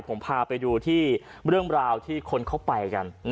ผมพาไปดูที่เรื่องราวที่คนเข้าไปกัน